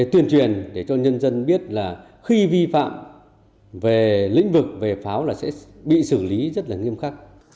tuyên truyền để cho nhân dân biết là khi vi phạm về lĩnh vực về pháo là sẽ bị xử lý rất là nghiêm khắc